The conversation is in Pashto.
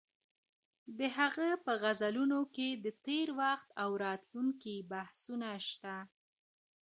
د هغه په غزلونو کې د تېروخت او راتلونکي بحثونه شته.